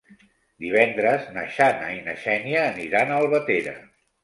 Divendres na Jana i na Xènia aniran a Albatera.